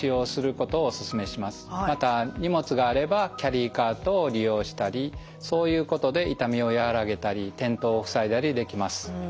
また荷物があればキャリーカートを利用したりそういうことで痛みを和らげたり転倒を防いだりできます。